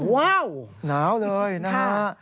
ว้าวหนาวเลยนะฮะ